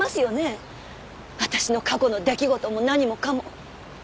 私の過去の出来事も何もかも。